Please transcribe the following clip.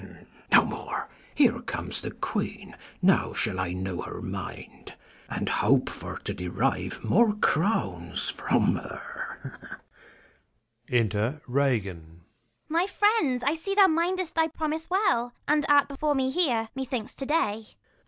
No more, here comes the queen, now shall I know her mind, 5 And hope for to derive more[crowns\from her. Enter Ragan. Ragan. My friend, I see thou mind'st thy promise well, And art before me here, methinks to day.